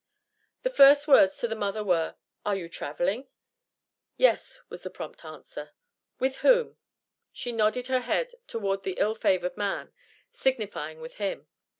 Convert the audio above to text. The first words to the mother were: "Are you traveling?" "Yes," was the prompt answer. "With whom?" She nodded her head toward the ill favored man, signifying with him.